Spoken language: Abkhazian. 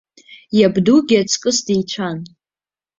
Уабдугьы аҵкыс деицәан.